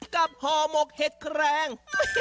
กับฮอร์โมกเห็ดแครง